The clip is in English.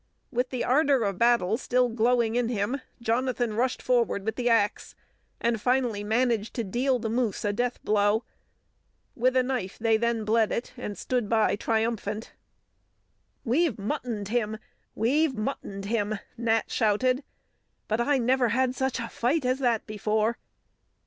With the ardour of battle still glowing in him, Jonathan rushed forward with the axe, and finally managed to deal the moose a deathblow; with a knife they then bled it, and stood by, triumphant. "We've muttoned him! We've muttoned him!" Nat shouted. "But I never had such a fight as that before."